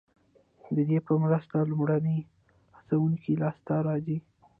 ددې په مرسته لومړني هڅوونکي لاسته راځي.